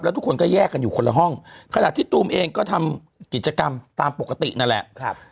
ทุกคนก็แยกกันอยู่คนละห้องขณะที่ตูมเองก็ทำกิจกรรมตามปกตินั่นแหละ